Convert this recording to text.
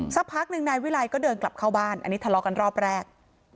สักพักหนึ่งนายวิลัยก็เดินกลับเข้าบ้านอันนี้ทะเลาะกันรอบแรก